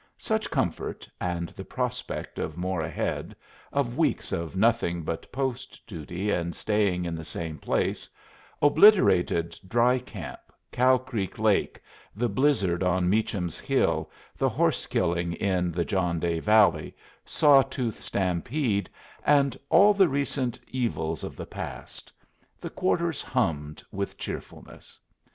Such comfort, and the prospect of more ahead, of weeks of nothing but post duty and staying in the same place, obliterated Dry Camp, Cow Creek Lake, the blizzard on Meacham's Hill, the horse killing in the John Day Valley, Saw Tooth stampede, and all the recent evils of the past; the quarters hummed with cheerfulness.